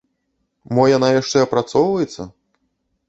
Мо яна яшчэ апрацоўваецца?